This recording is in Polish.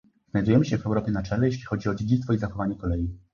Znajdujemy się w Europie na czele, jeżeli chodzi o dziedzictwo i zachowanie kolei